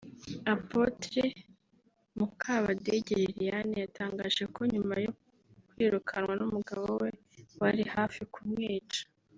Apotre Mukabadege Liliane yatangaje ko nyuma yo kwirukanwa n’umugabo we wari hafi kumwica